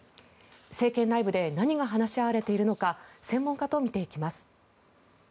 政権内部で何が話し合われているのか専門家と見ていきます。